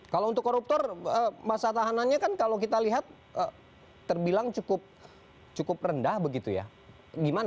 kalau untuk koruptor masa tahanannya kan kalau kita lihat terbilang cukup rendah begitu ya gimana